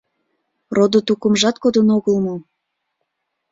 — Родо-тукымжат кодын огыл мо?